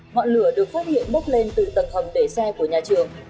ngọn lửa được phát hiện bốc lên từ tầng hầm để xe của nhà trường